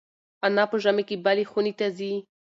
انا په ژمي کې بلې خونې ته ځي.